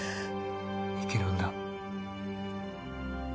生きるんだ。